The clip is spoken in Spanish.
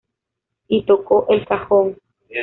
Y tocó el cajón.